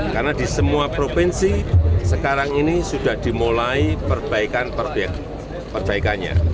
karena di semua provinsi sekarang ini sudah dimulai perbaikan perbaikannya